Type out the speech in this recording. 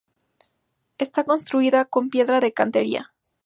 Está construida con piedra de cantería.